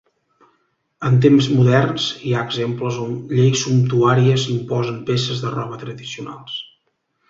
En temps moderns, hi ha exemples on lleis sumptuàries imposen peces de roba tradicionals.